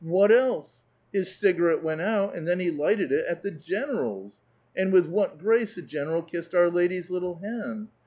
what else? His cigarette went out, and then he lighted it at the general's ! And with what grace the general kissed our lady's little hand